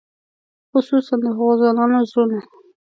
خصوصاً د هغو ځوانانو زړونه.